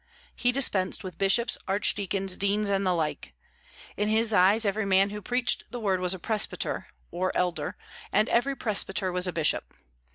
He dispensed with bishops, archdeacons, deans, and the like. In his eyes every man who preached the word was a presbyter, or elder; and every presbyter was a bishop.